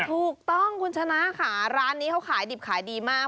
ถูกต้องคุณชนะค่ะร้านนี้เขาขายดิบขายดีมาก